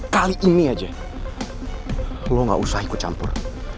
kali ini aja lo gak usah ikut campur